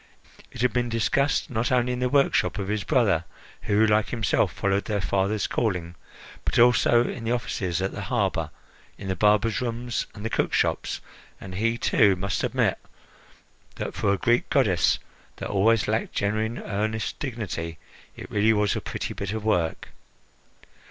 It had been discussed not only in the workshop of his brother, who, like himself, followed their father's calling, but also in the offices, at the harbour, in the barbers' rooms and the cookshops, and he, too, must admit that, for a Greek goddess, that always lacked genuine, earnest dignity, it really was a pretty bit of work.